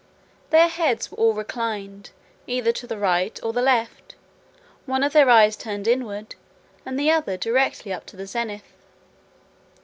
Their heads were all reclined, either to the right, or the left; one of their eyes turned inward, and the other directly up to the zenith.